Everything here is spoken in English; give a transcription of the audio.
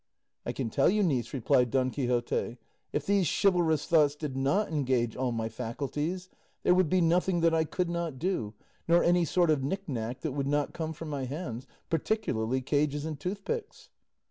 "I can tell you, niece," replied Don Quixote, "if these chivalrous thoughts did not engage all my faculties, there would be nothing that I could not do, nor any sort of knickknack that would not come from my hands, particularly cages and tooth picks."